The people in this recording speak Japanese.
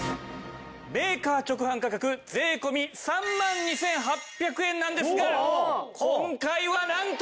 メーカー直販価格税込３万２８００円なんですが今回はなんと。